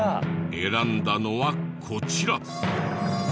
選んだのはこちら。